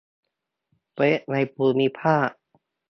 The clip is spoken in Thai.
เว็บในภูมิภาค